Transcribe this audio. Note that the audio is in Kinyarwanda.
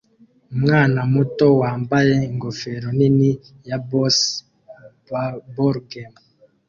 Umwana muto wambaye ingofero nini ya bocce ballgame